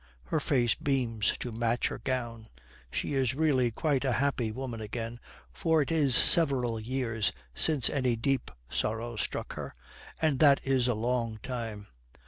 Her face beams to match her gown. She is really quite a happy woman again, for it is several years since any deep sorrow struck her; and that is a long time.